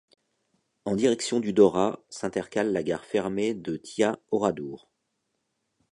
En direction du Dorat, s'intercale la gare fermée de Thiat - Oradour.